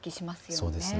そうですね。